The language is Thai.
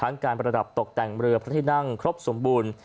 การประดับตกแต่งเรือพระที่นั่งครบสมบูรณ์